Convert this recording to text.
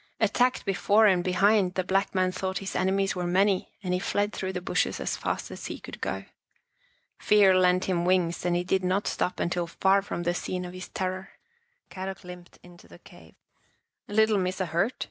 Attacked before and be hind, the black man thought his enemies were many and he fled through the bushes as fast as he could go. Fear lent him wings and he did not stop until far from the scene of his terror. Kadok limped into the cave. " Little Missa hurt?"